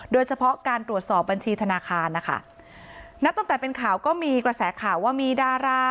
โดยเฉพาะการตรวจสอบบัญชีธนาคารนะคะนับตั้งแต่เป็นข่าวก็มีกระแสข่าวว่ามีดารา